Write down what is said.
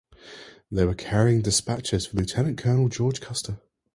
They were carrying dispatches for Lieutenant Colonel George Custer.